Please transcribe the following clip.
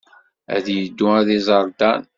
Ad yeddu ad iẓer Dan.